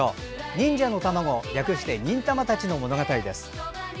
忍者のたまご略して忍たまたちの物語です。